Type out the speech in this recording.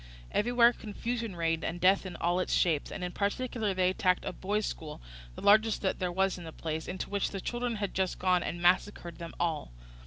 Everywhere confusion reigned and death in all its shapes; and in particular they attacked a boys' school, the largest that there was in the place, into which the children had just gone, and massacred them all.